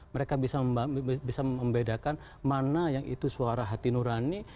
mereka bisa membedakan mana yang itu suara hati nurani